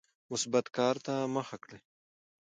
مثبت کار ته مخه کړئ.